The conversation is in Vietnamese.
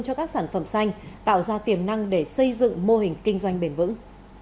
cho các sản phẩm xanh tạo ra tiềm năng để xây dựng mô hình kinh doanh bền vững